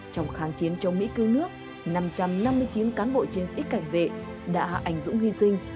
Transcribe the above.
trong kháng chiến trong mỹ cương nước năm trăm năm mươi chín cán bộ chiến sĩ cảnh vệ đã hạ ảnh dũng hy sinh